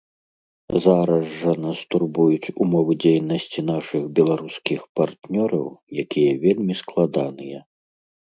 Зараз жа нас турбуюць умовы дзейнасці нашых беларускіх партнёраў, якія вельмі складаныя.